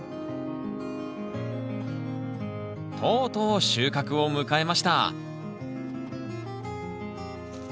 とうとう収穫を迎えました開けます。